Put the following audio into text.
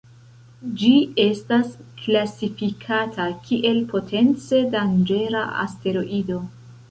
Ĝi estas klasifikata kiel potence danĝera asteroido.